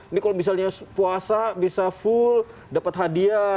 ini kalau misalnya puasa bisa full dapat hadiah